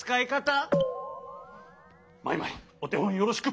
マイマイおてほんよろしく！